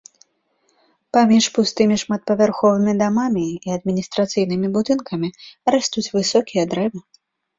Паміж пустымі шматпавярховымі дамамі і адміністрацыйнымі будынкамі растуць высокія дрэвы.